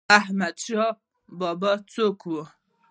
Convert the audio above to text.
احمد شاه بابا څوک و؟